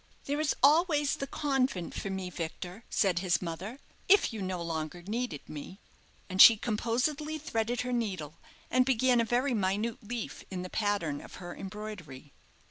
"There is always the convent for me, Victor," said his mother, "if you no longer needed me." And she composedly threaded her needle, and began a very minute leaf in the pattern of her embroidery.